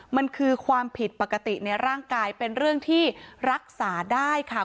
มันคือความผิดปกติในร่างกายเป็นเรื่องที่รักษาได้ค่ะ